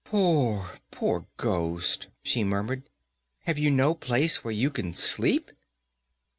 [Illustration: "'POOR, POOR GHOST,' SHE MURMURED; 'HAVE YOU NO PLACE WHERE YOU CAN SLEEP?'"